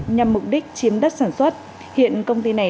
nhằm mục đích chiếm đất sản xuất